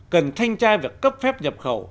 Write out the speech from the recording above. cần thanh trai về cấp phép nhập khẩu